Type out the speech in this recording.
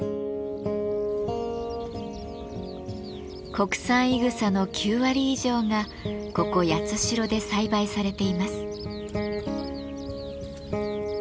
国産いぐさの９割以上がここ八代で栽培されています。